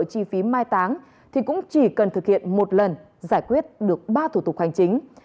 chi phí mai táng thì cũng chỉ cần thực hiện một lần giải quyết được ba thủ tục hành chính